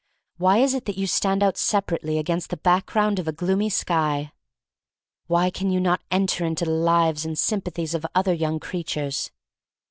Why is it that you stand out separate against the background of a gloomy sky? Why can you not enter into the lives and sym pathies of other young creatures?